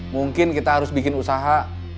mungkin kita harus bikin usaha